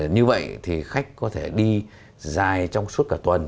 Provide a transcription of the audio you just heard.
như vậy thì khách có thể đi dài trong suốt cả tuần